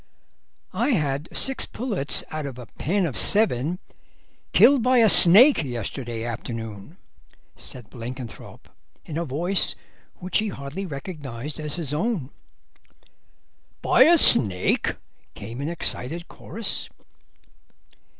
"I had six pullets out of a pen of seven killed by a snake yesterday afternoon," said Blenkinthrope, in a voice which he hardly recognised as his own. "By a snake?" came in excited chorus.